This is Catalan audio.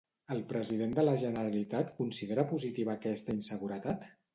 El president de la Generalitat considera positiva aquesta inseguretat?